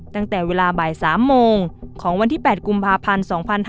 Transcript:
ตั้งแต่เวลาบ่าย๓โมงของวันที่๘กุมภาพันธ์๒๕๕๙